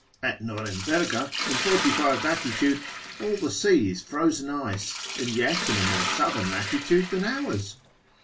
At Noremberga in 45. lat. all the sea is frozen ice, and yet in a more southern latitude than ours.